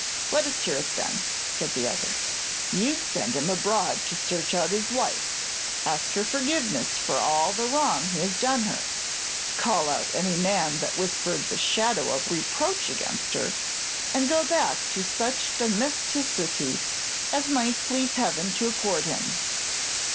"Let us hear it, then," said the other. "You'd send him abroad to search out his wife; ask her forgiveness for all the wrong he has done her; call out any man that whispered the shadow of a reproach against her; and go back to such domesticity as it might please Heaven to accord him."